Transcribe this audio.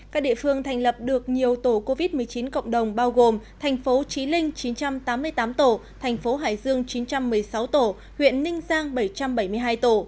các địa phương thành lập được nhiều tổ covid một mươi chín cộng đồng bao gồm thành phố trí linh chín trăm tám mươi tám tổ thành phố hải dương chín trăm một mươi sáu tổ huyện ninh giang bảy trăm bảy mươi hai tổ